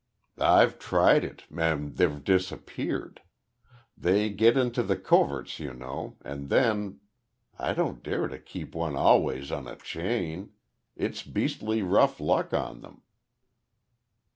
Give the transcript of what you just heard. "I've tried it, and they've disappeared. They get into the coverts you know, and then ! I don't care to keep one always on a chain. It's beastly rough luck on them."